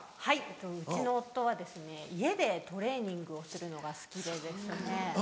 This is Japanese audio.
はいうちの夫は家でトレーニングをするのが好きで。